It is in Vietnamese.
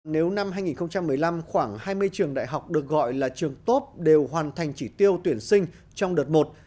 nếu năm hai nghìn một mươi năm khoảng hai mươi trường đại học được gọi là trường tốt đều hoàn thành chỉ tiêu tuyển sinh trong đợt một